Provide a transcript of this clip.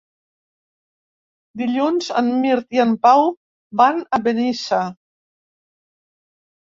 Dilluns en Mirt i en Pau van a Benissa.